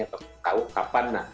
atau tahu kapan